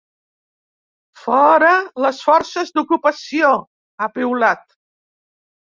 Fora les forces d’ocupació, ha piulat.